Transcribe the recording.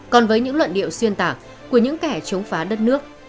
còn với những luận điệu xuyên tả của những kẻ chống phá đất nước